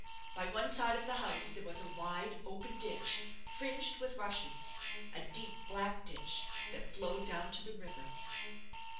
By one side of the house there was a wide, open ditch, fringed with rushes a deep, black ditch, that flowed down to the river.